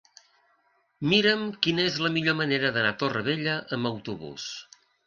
Mira'm quina és la millor manera d'anar a Torrevella amb autobús.